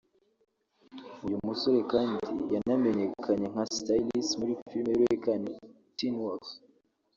uyu musore kandi yanamenyekanye nka Styles muri filime y’uruhererekane Teen Wolf